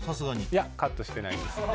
いやカットしてないです。